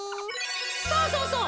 そうそうそう。